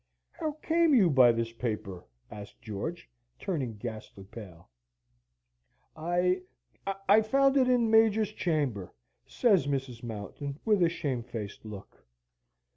"How came you by this paper?" asked George, turning ghastly pale. "I I found it in the Major's chamber!" says Mrs. Mountain, with a shamefaced look.